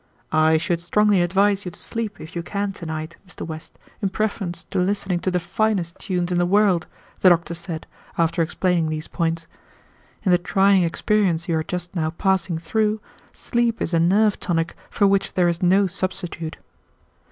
"I should strongly advise you to sleep if you can to night, Mr. West, in preference to listening to the finest tunes in the world," the doctor said, after explaining these points. "In the trying experience you are just now passing through, sleep is a nerve tonic for which there is no substitute."